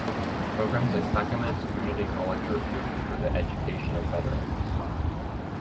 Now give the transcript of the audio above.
Programs at Clackamas Community College are approved for the education of veterans.